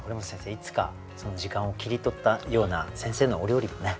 いつか時間を切り取ったような先生のお料理もね